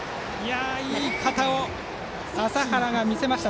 いい肩を麻原が見せました。